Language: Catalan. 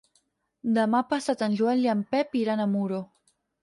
Demà passat en Joel i en Pep iran a Muro.